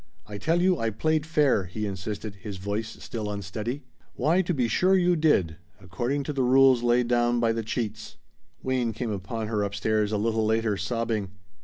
"I tell you, I played fair," he insisted, his voice still unsteady. "Why to be sure you did according to the rules laid down by the cheats!" Wayne came upon her upstairs a little later, sobbing.